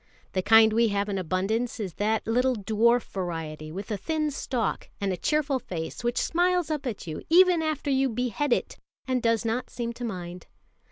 The kind we have in abundance is that little dwarf variety with a thin stalk, and a cheerful face which smiles up at you even after you behead it, and does not seem to mind.